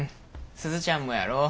スズちゃんもやろ？